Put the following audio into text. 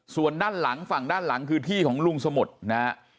ส่วนด้านหลังฝั่งด้านหลังคือที่ของลุงสมุทรนะฮะ